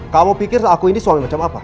kamu pikir aku ini soalnya macam apa